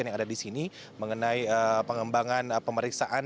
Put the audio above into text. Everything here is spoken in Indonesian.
jadi kami sudah berbicara di sini mengenai pengembangan pemeriksaan